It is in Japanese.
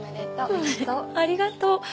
ありがとう。